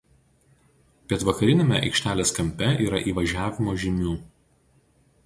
Pietvakariniame aikštelės kampe yra įvažiavimo žymių.